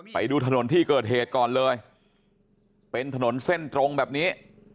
ไปดูถนนที่เกิดเหตุก่อนเลยเป็นถนนเส้นตรงแบบนี้